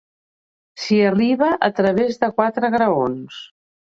S'hi arriba a través de quatre graons.